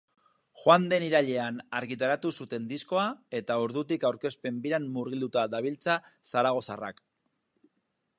Joan den irailean argitaratu zuten diskoa eta ordutik aurkezpen biran murgilduta dabiltza zaragozarrak.